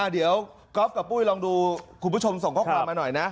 เดี๋ยวก๊อฟกับปู้ยอยากดูคุณผู้ชมส่งเขากลับมาหน่อยนะ